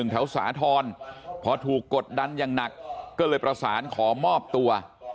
สาธรณ์พอถูกกดดันอย่างหนักก็เลยประสานขอมอบตัว